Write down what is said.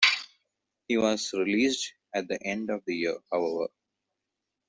He was released at the end of the year, however.